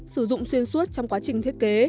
sử dụng xuyên suốt trong quá trình thiết kế